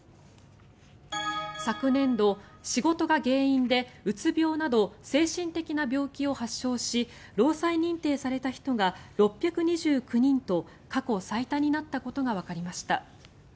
昨年度、仕事が原因でうつ病など精神的な病気を発症し労災認定された人が６２９人と過去最多になったことがわかりました。